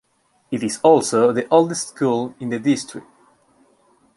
It is also the oldest school in the district.